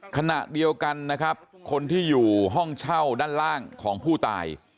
ขณะเดียวกันนะครับคนที่อยู่ห้องเช่าด้านล่างของผู้ตาย